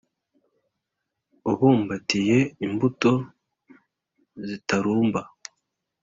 ubumbatiye imbuto zitarumba